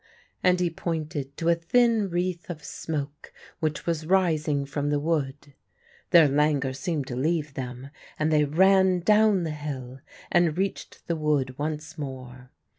and he pointed to a thin wreath of smoke which was rising from the wood. Their languor seemed to leave them, and they ran down the hill and reached the wood once more.